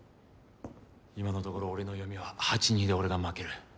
今のところ俺の読みは８：２で俺が負ける。